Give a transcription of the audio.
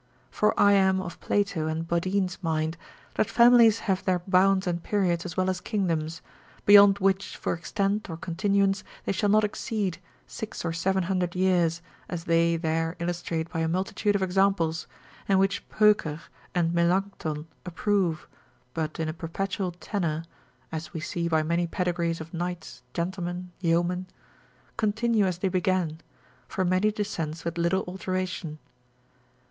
For I am of Plato and Bodine's mind, that families have their bounds and periods as well as kingdoms, beyond which for extent or continuance they shall not exceed, six or seven hundred years, as they there illustrate by a multitude of examples, and which Peucer and Melancthon approve, but in a perpetual tenor (as we see by many pedigrees of knights, gentlemen, yeomen) continue as they began, for many descents with little alteration.